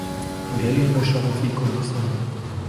گەلی بەشەڕەفی کوردستان